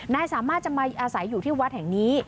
นายสามารถจะมาอาศัยอยู่ที่วัดแห่งนี้